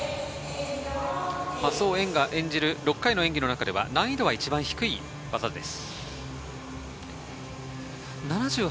ソウ・エンが演じる６回の演技の中では難易度は一番低い技です。